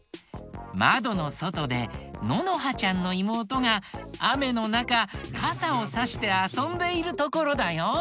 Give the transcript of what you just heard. まどのそとでののはちゃんのいもうとがあめのなかかさをさしてあそんでいるところだよ。